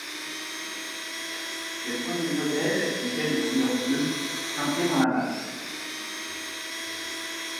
Ces premiers modèles étaient de couleur bleue, teintés dans la masse.